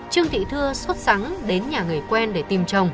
trương thị thưa xuất sẵn đến nhà người quen để tìm chồng